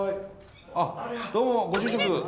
あっどうもご住職。